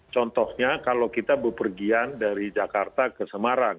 contohnya kalau kita berpergian dari jakarta ke semarang